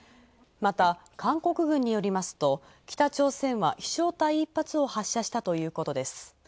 また、韓国軍によりますと北朝鮮は飛翔体一発を発射したということです。